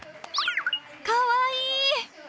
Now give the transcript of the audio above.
かわいい！